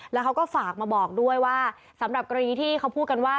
แล้วเขาก็ฝากมาบอกด้วยว่าสำหรับกรณีที่เขาพูดกันว่า